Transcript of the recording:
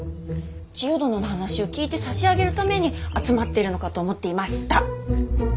千世殿の話を聞いてさしあげるために集まってるのかと思っていました。